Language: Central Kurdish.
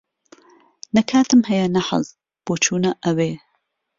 نە کاتم ھەیە نە حەز، بۆ چوونە ئەوێ.